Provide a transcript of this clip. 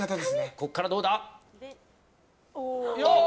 ここからどうだ？